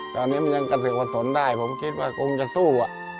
ตอนนี้มันยังกระสือกระสนได้ผมคิดว่าคงจะสู้